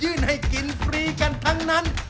ให้กินฟรีกันทั้งนั้น